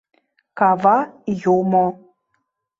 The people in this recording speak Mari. Кава Юмо!